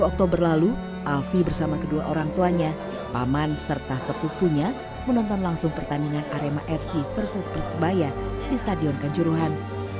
dua puluh oktober lalu alfie bersama kedua orang tuanya paman serta sepupunya menonton langsung pertandingan arema fc versus persebaya di stadion kanjuruhan